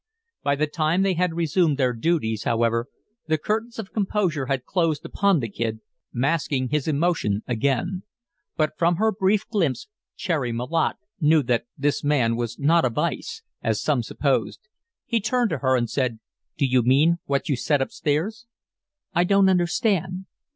By the time they had resumed their duties, however, the curtains of composure had closed upon the Kid, masking his emotion again; but from her brief glimpse Cherry Malotte knew that this man was not of ice, as some supposed. He turned to her and said, "Do you mean what you said up stairs?" "I don't understand."